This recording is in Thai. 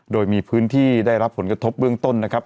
โดยมีพื้นที่ได้รับผลกระทบเบื้องต้นนะครับ